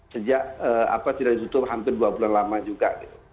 sejak hampir dua bulan lama juga